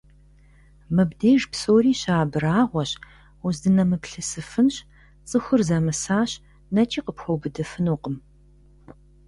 Мыбдеж псори щыабрагьуэщ, уздынэмыплъысыфынщ: цӀыхур зэмысащ, нэкӀи къыпхуэубыдыфынукъым.